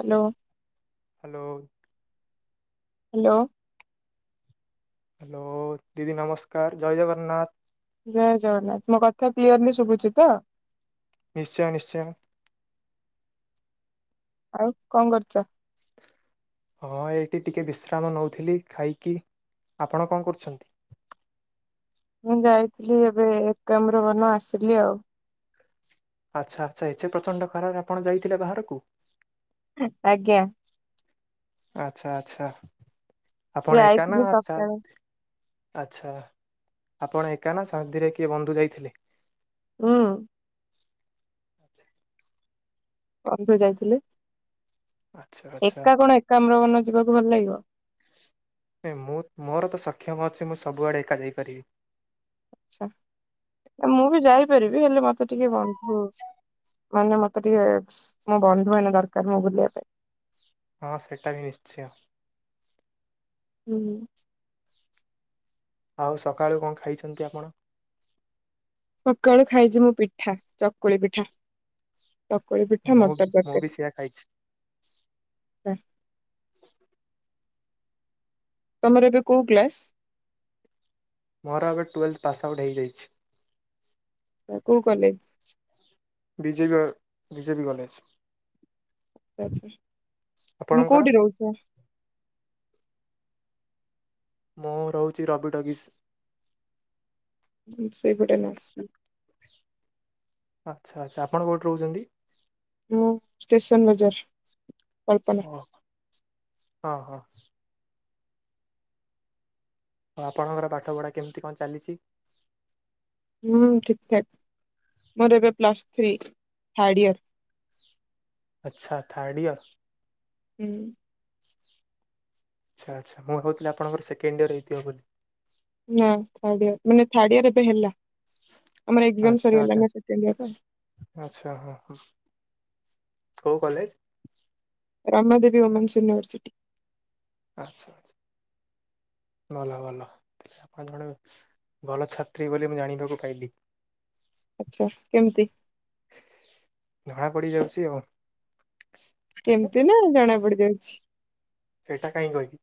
Hello. Hello. [inaudible] Hello. Hello ଦିଦି ନମସ୍କାର ଜୟ ଜଗନ୍ନାଥ। ଜୟ ଜଗନ୍ନାଥ ମୋ କଥା କ୍ଲିୟରଲି ଶୁଭୁଛି ତ। ନିଶ୍ଚୟ ନିଶ୍ଚୟ। ଆଉ କଣ କରୁଛ? [inaudible] ହଁ ଏଠି ଟିକେ ବିଶ୍ରାମ ନଉଥିଲି ଖାଇକି ଆପଣ କଣ କରୁଛନ୍ତି? ମୁଁ ଯାଇଥିଲି ଏବେ ଏକାମ୍ର ବନ ଆସିଲି ଆଉ। ଆଚ୍ଛା ଆଛା ଏଚେ ପ୍ରଚଣ୍ଡ ଖରା ରେ ଆପଣ ଯାଇଥିଲେ ବାହାରକୁ। ଆଜ୍ଞା। ଆଚ୍ଛା ଆଚ୍ଛା। ଯାଇଥିଲୁ ସକାଳେ। ଆଚ୍ଛା‌ ଆପଣ ଏକା ନା ସାନ୍ତିରେ କିଏ ବନ୍ଧୁ ଯାଇଥିଲେ? ହୁଁ। ଆଚ୍ଛା। ବନ୍ଧୁ ଯାଇଥିଲେ। ଆଚ୍ଛା ଆଚ୍ଛା ଏକା କଣ ଏକା ଆମରନ ଯିବାକୁ ଭଲ ଲାଗିବ। ମୋର ତ ସକ୍ଷମ ଅଛି ମୁଁ ସବୁଆଡେ ଏକା ଯାଇପାରିବି। ଆଚ୍ଛା ନା ମୁଁ ବି ଯାଇପାରିବି ହେଲେ ମତେ ଟିକେ ବନ୍ଧୁ ମାନେ ମତେ ଟିକେ ମୋ ବନ୍ଧୁ ମାନେ ଦରକାର ମୁଁ ବୁଲିବା ପାଇଁ। ହଁ ସେଇଟା ବି ନିଶ୍ଚୟ। ହୁଁ। ଆଉ ସକାଳୁ କଣ ଖାଇଛନ୍ତି ଆପଣ? ସକାଳୁ ଖାଇଛି ମୁଁ ପିଠା ଚକୁଳି ପିଠା। ଚକୁଳି ପିଠା ମୁଁ ମଟର ମୁଁ ବି ସେଆ ଖାଇଛି ତରକାରୀ। ତମର ଏବେ କୋଉ କ୍ଲାସ? ମୋର ଏବେ ଟୁଏଲ୍ଭ ପାସ୍ଆଉଟ୍ ହେଇଯାଇଛି। କୋଉ କଲେଜ? BJP BJP college. ଆଚ୍ଛା ଆଚ୍ଛା ତମେ ଆପଣଙ୍କର? କୋଉଠି ରହୁଛ? ମୁଁ ରହୁଛି ରାବିଟ ଅଗିସ୍। ମୁଁ ସେଇପଟେ ଏଇନା ଆସିଲି। ଆଚ୍ଛା ଆଚ୍ଛା ଆପଣ କୋଉଠି ରହୁଛନ୍ତି? ମୁଁ ଷ୍ଟେସନ୍ ବଜାର। କଳ୍ପନା। ଓ ହଁ ହଁ। ଆଉ ଆପଣଙ୍କର ପାଠ ପଢା କେମିତି କଣ ଚାଲିଛି? ହୁଁ ଠିକ ଠାକ୍ ମୋର ଏବେ ପ୍ଲସ୍ ଥ୍ରୀ ଥାର୍ଡ ଇୟର। ଆଚ୍ଛା ଥାର୍ଡ଼ ଇୟର। ହୁଁ। ଆଚ୍ଛା ଆଚ୍ଛା ମୁଁ ଭାବୁଥିଲି ଆପଣଙ୍କର ସେକେଣ୍ଡ ଇୟର ହେଇଥିବ ବୋଲି। ନା ଥାର୍ଡ ଇୟର ମାନେ ଥାର୍ଡ ଇୟର ଏବେ ହେଲା ଆମର ଏକ୍ଜାମ ଆଚ୍ଛା ସରିଗଲା ଆଚ୍ଛା ନା ସେକେଣ୍ଡ ଇୟର ଆଚ୍ଛା ହଁ ହଁ। କୋଉ college? Rama Devi women's university. ଆଚ୍ଛା ଭଲ ଭଲ ଆପଣ ଜଣେ ଭଲ ଛାତ୍ରୀ ବୋଲି ମୁଁ ଜାଣିବାକୁ ପାଇଲି। ଆଚ୍ଛା କେମିତି? ଜଣା ପଡି ଯାଉଛି ଆଉ। କେମିତି ନା ଜଣା ପଡି ଯାଉଛି? ସେଇଟା କାହିଁ କହିବି?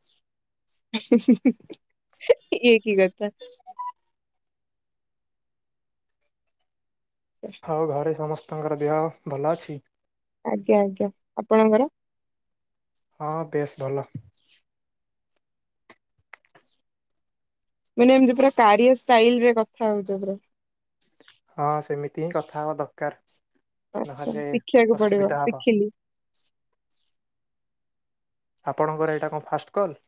ଏ କି କଥା? ଆଉ ଘରେ ସମସ୍ତେ ତାଙ୍କର ଦେହ ଭଲ ଅଛି? ଆଜ୍ଞା ଆଜ୍ଞା ଆପଣଙ୍କର। ହଁ ବେଶ ଭଲ। ମାନେ ଏମିତି ପୁରା କାରିୟର ଷ୍ଟାଇଲରେ କଥା ହଉଚ ପୁରା। ହଁ ସେମିତି ହିଁ କଥା ହବା ଦରକାର। ଆଚ୍ଛା ନହେଲେ ଶିଖିବାକୁ ପଡିବ ଅସୁବିଧା ହବ। ଶିଖିଲି। ଆପଣଙ୍କର ଏଇଟା କଣ ଫାଷ୍ଟ କଲ୍।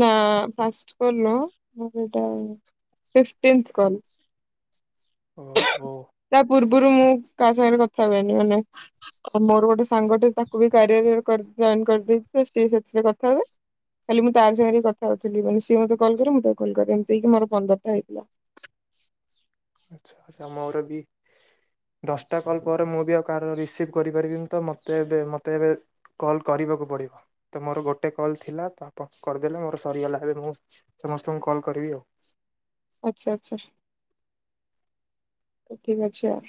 ନା ଫାଷ୍ଟ୍ କଲ୍ ନୁହଁ। ମୋର ଏଇଟା ଫିଫଟନ୍ଥ କଲ୍। ଓହୋ। ପୂର୍ବରୁ ମୁଁ କାହା ସାଙ୍ଗରେ କଥା ହୁଏନି। ମାନେ ମୋର ଗୋଟେ ସାଙ୍ଗଟେ ତାକୁ ବି କାରିଆ ରେ କର ଜଏନ୍ କରିଦେଇଥିଲେ। ସିଏ ସେଥିରେ କଥା ହୁଏ। ଖାଲି ମୁଁ ତାରି ସାଙ୍ଗରେ କଥା ହଉଥିଲି। ମାନେ ସିଏ ମତେ କଲ୍ କରେ ମୁଁ ତାକୁ କଲ୍ କରେ। ଏମିତି ହେଇକି ମୋର ପନ୍ଦରଟା ହେଇଥିଲା। ଆଚ୍ଛା ଆଚ୍ଛା ମୋର ବି ଦଶଟା କଲ୍ ପରେ ମୁଁ ବି ଆଉ କାର ରିସିଭ୍ କରିପାରିବିନି। ତ ମୋତେ ଏବେ ମୋତେ ଏବେ କଲ୍ କରିବାକୁ ପଡିବ। ତ ମୋର ଗୋଟେ କଲ୍ ଥିଲା ତ ଆପଣ କରିଦେଲେ ମୋର ସରିଗଲା। ଏବେ ମୁଁ ସମସ୍ତଙ୍କୁ କଲ୍ କରିବି ଆଉ। ଆଚ୍ଛା ଆଚ୍ଛା। ଠିକ୍ ଅଛି ଆଉ।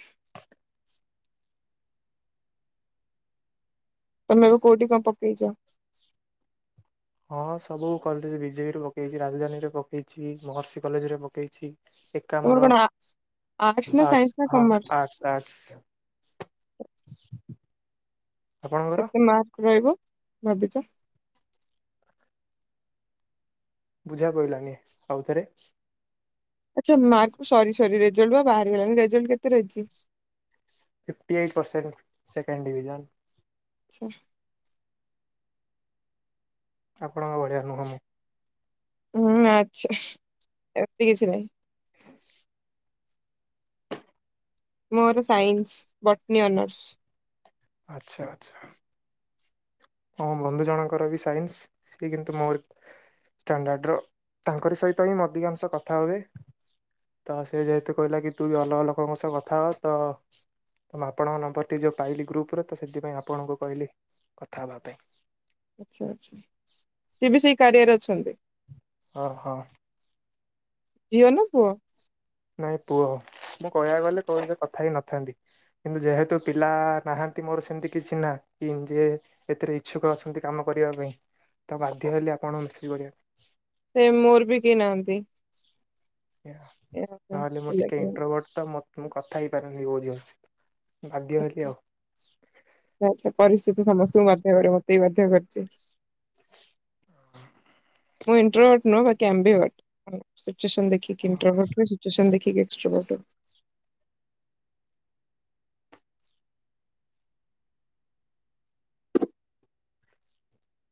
ତମେ ଏବେ କୋଉଠି ପ ପକେଇଛ। ହଁ ସବୁ କଲେଜ୍ ବିଜେପିରେ ପକେଇଛି। ରାଜଧାନୀ ରେ ପକେଇଛି। ମହର୍ଷି କଲେଜ୍ ରେ ପକେଇଛି। ତମର ଏକାମ୍ବର କଣ ନା ଆର୍ଟସ ସାଇନ୍ସ ନା ହଁ କମର୍ସ ଆର୍ଟସ ଆର୍ଟସ। କେତେ ମାର୍କ ରହିବ। ଭାବିଛ। ବୁଝା ପଇଲାନି ଆଉଥରେ। ଆଚ୍ଛା ମାର୍କରି ରେଜଲ୍ଟ ବା ବାହାରିଗଲାଣି ରେଜଲ୍ଟ କେତେ ରହିଛି। Fifty eight percent second division. ଆଚ୍ଛା। ଆପଣଙ୍କ ଭଳିଆ ନୁହଁ ମୁଁ। ହୁଁ ଆଛା ଏତିି କିଛି ନାହିଁ। ହସ୍। ମୋର ସାଇନ୍ସ ବଟନୀ ଅନର୍ସ। ଆଚ୍ଛା ଆଚ୍ଛା ହଁ ବନ୍ଧୁ ଜଣଙ୍କର ବି ସାଇନ୍ସ ସିଏ କିନ୍ତୁ ମୋର ଷ୍ଟାଣ୍ଡାର୍ଡର। ତାଙ୍କର ସହିତ ହିଁ ମଧିକାଂଶ କଥା ହୁଏ। ତ ସେ ଯେହେତୁ କହିଲା କି ତୁ ବି ଅଲଗା ଲୋକଙ୍କ ସହ କଥା ହ। ତ ଆପଣଙ୍କ ନମ୍ବରଟି ଯୋଉ ପାଇଲି ଗ୍ରୁପ୍ ପୁରତଃ ସେଥିପାଇଁ ଆପଣଙ୍କୁ କହିଲି କଥା ହେବା ପାଇଁ। ଆଚ୍ଛା ଆଚ୍ଛା ସିଏ ବି ସେଇ କାରିଆରେ ଅଛନ୍ତି। ଓ ହୋ। ଝିଅ ନାଁ ପୁଅ। ନାଇଁ ପୁଅ ମୁଁ କହିବାକୁ ଗଲେ କ କଥା ହେଇ ନଥାନ୍ତି। କିନ୍ତୁ ଯେହେତୁ ପିଲା ନାହାନ୍ତି ମୋର ସେମିତି କିଛି ନା କି ଯେ ଏଥିରେ ଇଚଛୁକ ଅଛନ୍ତି କାମ କରିବା ପାଇଁ। ତ ବାଧ୍ୟ ହେଲି ଆପଣ ମିସେଜ୍ କରିବା ପାଇଁ। ସେ ମୋର ବି କେହି ନାହାଁନ୍ତି। ନହେଲେ ମୁଁ ପିଲା ଟିକେ କେହି। ଇନଣ୍ଟ୍ରବଟ ତ ମ ମୁଁ କଥା ହେଇପାରନି। କୋଉ ଝି ଆ ଆଛା ପରିସ୍ଥିତି ସମସ୍ତଙ୍କୁ ବାଧ୍ୟ କରେ। କ ସେଇ ବାଧ୍ୟ ଖର୍ଚେ। ମୁଁ ଇଣ୍ଟରଭଟ ନୁହଁ। ବାକି ଆମ୍ବିୟ ବଟ। ସିଚ୍ୱେସନ ଦେଖିକି ଇଣ୍ଟେରଭଟ ସିଚ୍ୱେସନ ଦେଖିକି। ନି୍ଚଟ।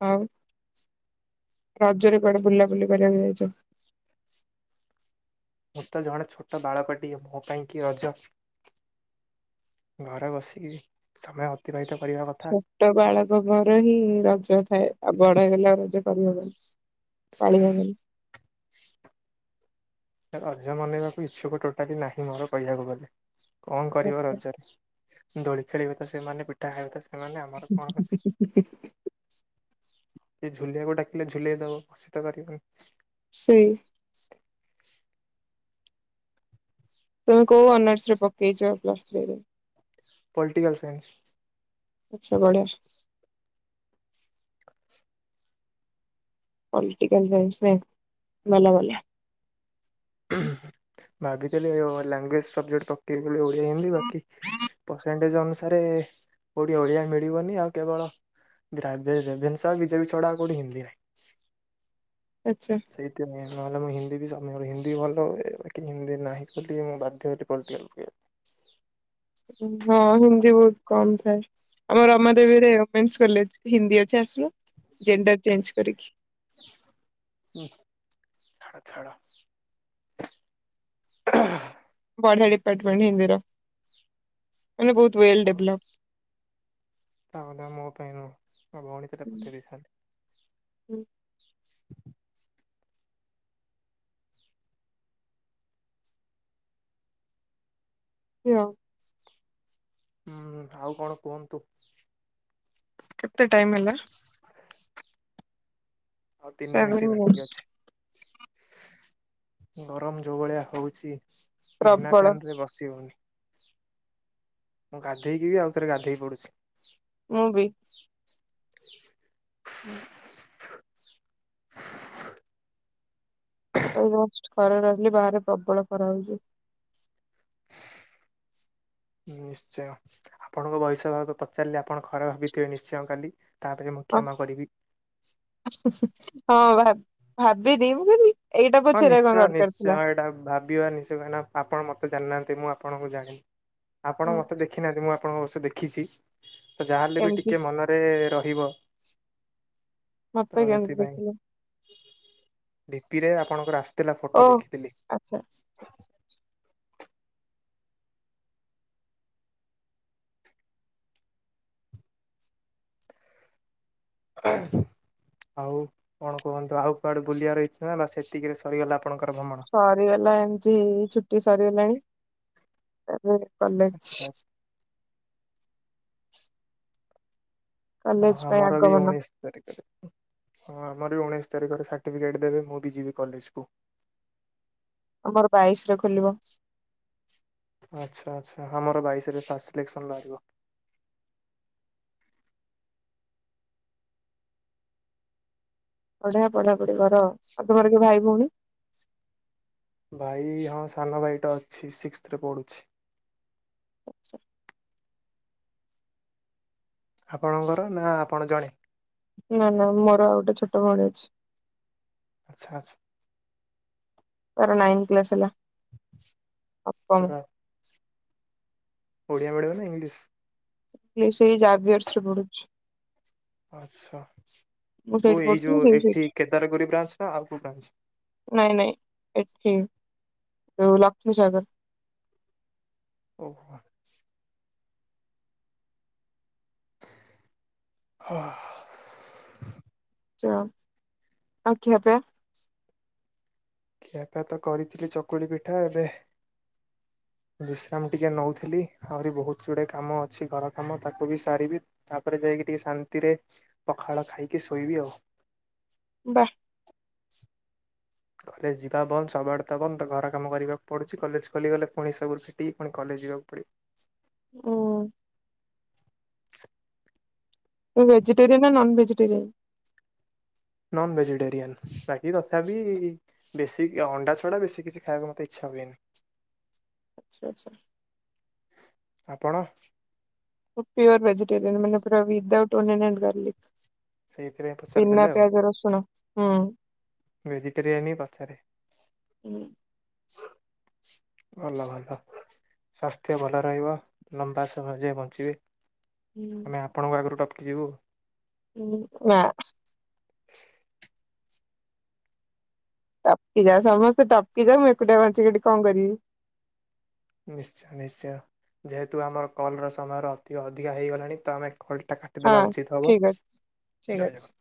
ଆଉ ରଜରେ କୁଆଡେ ବୁଲାବୁଲି କରିବାକୁ ଯାଇଛ। ମୁଁ ତ ଜଣେ ଛୋଟ ବାଳକ ଟିଏ ମୋ ପାଇଁ କି ରଜ। ଘରେ ବସିକି ସମୟ ଅତିବାହିତ କରିବା କଥା ଛୋଟ ବାଳକ ଘର ହିଁ ରଜ ଥାଏ ଆଉ ବଡ ହେଲା ରଜ ପରିବ। ପାଳଗ ଅର୍ ମନେଇବାକୁ ଇଚ୍ଛୁକ ଟୋଟାଲି ନାହିଁ ମୋର କହିବାକୁ ଗଲେ। କଣ କରିବ ରଜରେ। ଦୋଳି ଖେଳିବ ତ ସେମାନେ ପିଠା ଖାଇବେ। ସେମାନେ ଆମର [inaudible] ସେ ଝୁଲିଆକୁ ଡାକିଲେ ଝୁଲେଇ ଦବ ବଷିତ କରିବନି। ସେଇ। [inaudible] କୋଉ ଅନର୍ସ ରେ ପକେଇଯ ପ୍ଲସ୍ ସେ ପଲିଟିକଲ ସାଇନ୍ସ। ଆଛା ବଢ଼ିଆ। ପଲିଟିକଲ ଫସ ଭଲା ଭଲା। ଭାବିଥିଲି ଲାଙ୍ଗୁଏଜ ସବଜେକ୍ଟ ପକେଇଗଲେ ଓଡ଼ିଆ ହିନ୍ଦୀ ବାକି ପରସେଣ୍ଟେଜ ଅନୁସାରେ କୋଉଠି ଓଡ଼ିଆ ମିଳିବନି ଆଉ କେବଳଭନ୍ସ ବିଜେପି ଛଡା କୋଉଠି ହିନ୍ଦୀ ନାହିଁ। ଆଚ୍ଛା। ସେଇତ ଆଲମହିି। ସମ ହିନ୍ଦୀ ଭଲ ହିନ୍ଦୀ ନାହିଁ ବୋଲି ମୁଁ ବାଧ୍ୟ ହଁ ହିନ୍ଦୀ ବହୁତ କମ ଥାଏ ଆମ ରମାଦେବୀରେମେନ୍ସ କଲେଜ ହିନ୍ଦୀ ଅଛି ଆସିଲ ଜେଣ୍ଡର ଚେଞ୍ଜ କରିକି। [inaudible] ବଆଡପଟମେଣ୍ଟ ହେିନ୍ଦର। ତାହଲେ ମୋ ପାଇଁ ନୁହଁ ଆ ଭଉଣୀ ସେଟ ପଠେଇ ଦେଇଥାନ୍ତି। [inaudible] ହୁଁ ଆଉ କଣ କୁହନ୍ତୁ। ଏତେ ଟାଇମଲା ହଉ ତିନି ମିନିଟ ବାକି ମିନିଟ୍ସ ଅଛି। ଗରମ ଯୋଉ ଭଳିଆ ହଉଛି। ବିନା ପ୍ରବଳ ଫ୍ୟାନ ରେ ବସି ହଉନି। ମୁଁ ଗାଧେଇକି ଆଉ ଥରେ ଗାଧେଇ ପଡୁଛି। ମୁଁ ବି। ହୁଁ। ଖରେ ରହିଲି ବାହାରେ ପ୍ରବଳ ଖରା ହଉଛି। ନିଶ୍ଚୟ ଆପଣଙ୍କ ବୟସା ଭକୁ ପଚାରିଲେ ଆପଣ ଖରା ଭାବିଥିବେ ନିଶ୍ଚୟ କାଲି। ତାପରେ ମୁଁ ଓ କ୍ଷମା କରିବି। ହଁ ଭାବ ଭାବିଦି ମୁ ବୋଲିଲି ହଁ ନିଶ୍ଚୟ ନିଶ୍ଚୟ ଏଇଟା ଭାବିବା ନିଶ୍ଚୟ କହିଁକି ଆପଣ ମତେ ଜାଣିନାହାନ୍ତି। ମୋତେ ମୁଁ ଆପଣଙ୍କୁ ଜାଣିନି। ଆପଣ ହୁଁ, ମତେ ଦେଖିହାନ୍ତି ମୁଁ ଆପଣଙ୍କୁ ଆପଣଙ୍କୁ ଅବଶ୍ୟ ଦେଖିଛି। ଯାହାହେଲେ ବି କେମିତି ଟିକେ ମନରେ ରହେ ଯିବ। ମତେ କେମତି ଦେଖିଲ? ଡିପିରେ ଆପ ଆପଣଙ୍କର ଆସ୍ ଥିଲା ଫଟୋ ଦେଖିଥିଲି। ଆଚ୍ଛା ଆଉ କଣ କୁହନ୍ତୁ ଆଉ କୁଆଡେ ବୁଲିବାର ଇଚ୍ଛା ନା ବା ସେତିକିରେ ସରିଗଲା ଆପଣ ସରିଗଲା ଏମିତି ଛୁଟି ସରିଗଲାଣି। ଫୁଣି କଲେଜ ଆଚ୍ଛା [unintelligible] ହଁ କଲେଜ ପାଇଁ ଆମର ବି ଆଗମନ ଉଣେଇଶ ତାରିଖରେ ହଁ। ମୋର ଉଣେଇଶ ତାରିଖରେ ସାର୍ଟିଫିକେଟ୍ ଦେବେ ମୁଁ ବି ଯିବି କଲେଜକୁ। ଆମୋର ବାଇଶଟା କୁ ଆଚ୍ଛା ଆଚ୍ଛା। ଆମର ବାଇଶରେ ଫାଷ୍ଟ ସିଲେକ୍ସନ ବାହାରିବ। ଅଢିଆ ପଢାପଢି ଘର ଆଉ ତମର କିଏ ଭାଇ ଭଉଣୀ ଭାଇ ହଁ ସାନ ଭାଇଟା ଅଛି ସିକ୍ସଥ୍ ରେ ପଢୁଛି। ଆପଣଙ୍କର ନା ଆପଣ ଜଣେ ନା ନା ମୋର ଆଉ ଗୋଟେ ଛୋଟ ଭଉଣୀ ଅଛି। ଆଚ୍ଛା ଆଚ୍ଛା। ତାର ନାଇନଥ କ୍ଲାସ ହେଲା। ଅଷ୍ଟମ। ହଁ। ଓଡିଆ ମ୍ୟାଡମ୍ ନା ଇଂଲିଶ। ସିଏ ସେଇ ଜାାବିୟର୍ସ ରେ ପଢ଼ୁଛି। ଆଛା କୋଉ ସେଇଠି ଏଇ ପଢୁଥିଲି ଯୋଉ ସେ ଏଠି ସେଇଠି କେଦାରଗୌରି ବ୍ରାଞ୍ଚ୍ ନା ଆଉ କୋଉ ଟା। ଲକ୍ଷ୍ମୀସାଗର। ଓହୋ। [inaudible] ଯାଉ ଆଉ ଖିଆପିଆ। ଖିଆପିଆ ତ କରିଥିଲି ଚକୁଳି ପିଠା ଏବେ ବିଶ୍ରାମ ଟିକେ ନଉଥିଲି ଆହୁରି ବହୁତ ଗୁଡ଼ିାଏ କାମ ଅଛି ଘର କାମ ତାକୁ ବି ସାରିବି ତାପରେ ଯାଇକି ଟିକେ ଶାନ୍ତିରେ ପଖାଳ ଖାଇକି ଶୋଇବି ଆଉ। ବା। [unintelligible] କଲେଜ ଯିବା ବନ୍ଦ ସବୁଆଡ଼େ ତ ବନ୍ଦ ଘର କାମ କରିବାକୁ ପଡ଼ୁଛି କଲେଜ ଖୋଲିଗଲେ ପୁଣି ସବୁ ଫିଟି ପୁଣି କଲେଜ ଯିବାକୁ ପଡ଼ିବ। ଓ [unintelligible] ଭେଜିଟେରୟନ ନା ନନ୍ ଭେଜିଟେରିୟନ୍। ନନ ଭେଜିଟେରିଆନ୍ ବାକି ତଥାପି ବେଶୀ ଅଣ୍ଡା ଛଡା ବେଶୀ କିଛି ଖାଇବାକୁ ମତେ ଇଚ୍ଛା ହୁଏନି। ଆଚ୍ଛା ଆଛା। ଆପଣ ପ୍ୟଓର ଭେଜିଟେରିୟନ ମାନେ ପୁରା ବିଦଉଟ ଓନିଅନ୍ ଆଣ୍ଡ ସେଇଥିପାଇଁ ଗାର୍ଲିକ ତନା ପଆଜର ସୁଣ ହଁ। ଭେଜିଟେରୟାନି ବାଚାରେ ହୁଁ। ଭଲ ଭଲ ସ୍ୱାସ୍ଥ୍ୟ ଭଲ ରହିବ ଲମ୍ବା ସମୟ ଯାଏ ବଞ୍ଚିବେ। [inaudible] ଆମେ ଆପଣଙ୍କ ଆଗରୁ ଟ କିିିବଉ ହଁ ନା। ଟପକି ଯା ସମସ୍ତେ ଟପକି ଯା ମୁଁ ଏକୁଟାଆ ବଞ୍ଚିକି ଏଠି କଣ କରିବି? ନିଶ୍ଚୟ ନିଶ୍ଚୟ ଯେହେତୁ ଆମର କଲ ର ସମୟର ଅ ଅଧିକା ହେଇଗଲାଣି ତ ଆମେ କଲଟା ହଁ କାଟିଦେବା ଉଚିତ୍ ହେବ ଠିକ ଅଛି ଠିକ ଜୟ ଅଛି। ଜଗନ୍